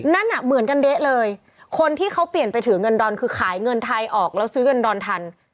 นั่นอ่ะเหมือนกันเด๊ะเลยคนที่เขาเปลี่ยนไปถือเงินดอนคือขายเงินไทยออกแล้วซื้อเงินดอนทัน